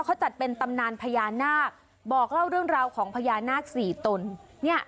เขาจัดเป็นตำนานพญานาคบอกเล่าเรื่องราวของพญานาคสี่ตนเนี่ย